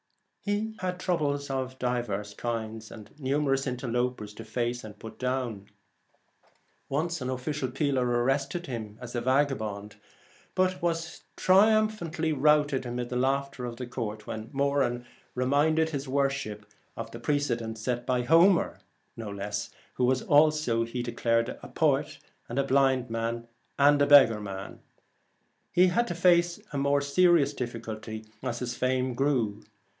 He had troubles of divers kinds, and numerous interlopers to face and put down. Once an officious peeler arrested him as a 8 4 vagabond, but was triumphantly routed The Last amid the laughter of the court, when Moran reminded his worship of the pre cedent set by Homer, who was also, he declared, a poet, and a blind man, and a beggarman. He had to face a more serious difficulty as his fame grew.